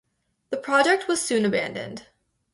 The project was soon abandoned.